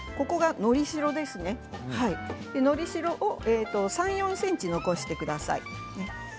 のりしろを３、４ｃｍ残してください。